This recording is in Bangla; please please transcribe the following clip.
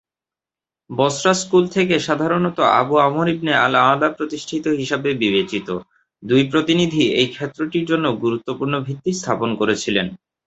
বসরা স্কুল থেকে সাধারণত আবু আমর ইবনে আল-আলা প্রতিষ্ঠিত হিসাবে বিবেচিত, দুই প্রতিনিধি এই ক্ষেত্রটির জন্য গুরুত্বপূর্ণ ভিত্তি স্থাপন করেছিলেন।